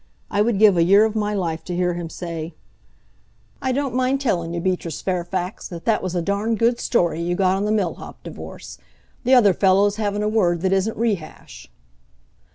I would give a year of my life to hear him say: "I don't mind tellin' you, Beatrice Fairfax, that that was a darn good story you got on the Millhaupt divorce. The other fellows haven't a word that isn't re hash."